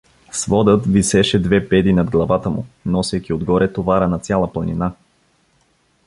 Сводът висеше две педи над главата му, носейки отгоре товара на цяла планина.